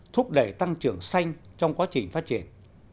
thúc đẩy tăng trưởng xanh trong quá trình phát triển